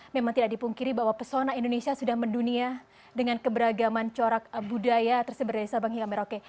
memang tidak dipungkiri bahwa pesona indonesia sudah mendunia dengan keberagaman corak budaya tersebar dari sabang hingga merauke